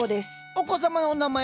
お子様のお名前は？